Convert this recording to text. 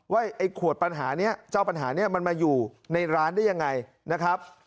ไอ้ขวดปัญหานี้เจ้าปัญหานี้มันมาอยู่ในร้านได้ยังไงนะครับ